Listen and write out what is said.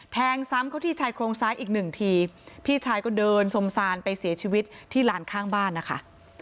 แทงซ้ำเข้าที่ชายโครงซ้ายอีกหนึ่งทีพี่ชายก็เดินสมซานไปเสียชีวิตที่ลานข้างบ้านนะคะ